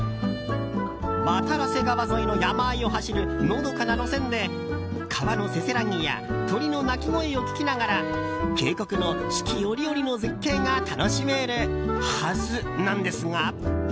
渡良瀬川沿いの山あいを走るのどかな路線で川のせせらぎや鳥の鳴き声を聞きながら渓谷の四季折々の絶景が楽しめるはずなんですが。